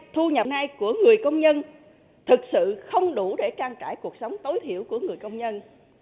thu nhập ngay của người công nhân thực sự không đủ để trang trải cuộc sống tối thiểu của người công nhân